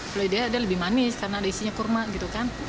kulit dia ada lebih manis karena ada isinya kurma gitu kan